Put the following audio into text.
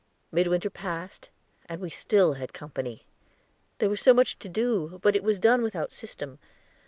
Midwinter passed, and we still had company. There was much to do, but it was done without system.